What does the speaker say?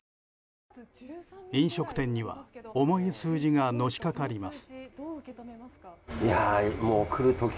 飲食店には重い数字がのしかかります。